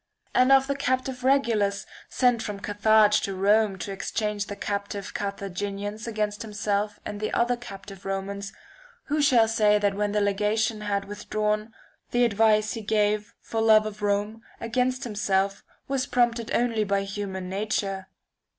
And of the captive Regulus, sent from Carthage to Rome to exchange the captive Carthaginians against himself and the other captive Romans, who shall say that when the legation had with drawn, the advice he gave, for love of Rome, against himself, was prompted only by human nature?